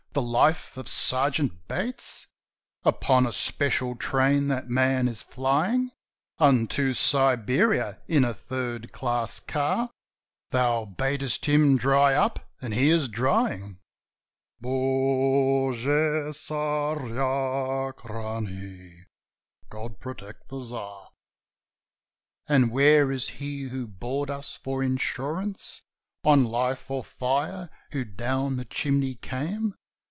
—the 'Life of Sergeant Bates'?" "Upon a special train that man is flying Unto Siberia in a third class car; Thou badest him 'dry up!' and he is drying: Bogu Tsarachnie! God protect the Tsar!" "And where is he who bored us for insurance On life or fire, who down the chimney came?"